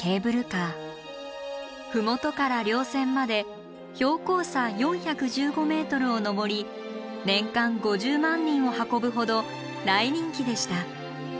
麓から稜線まで標高差４１５ｍを登り年間５０万人を運ぶほど大人気でした。